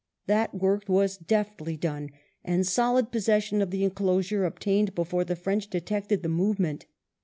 That work was deftly done, and solid possession of the enclosure obtained before the French detected the movement.